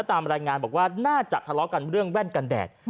ตามรายงานบอกว่าน่าจะทะเลาะกันเรื่องแว่นกันแดด